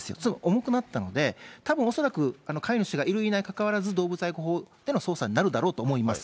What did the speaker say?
重くなったので、たぶん恐らく、飼い主がいるいないにかかわらず、動物愛護法での捜査になるだろうと思います。